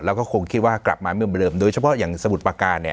แล้วก็คงคิดว่ากลับมาเมื่อเดิมโดยเฉพาะอย่างสมุทรประการเนี่ย